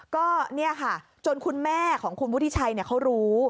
ก็เนี่ยค่ะจนคุณแม่ของคุณวุฒิชัยเขารู้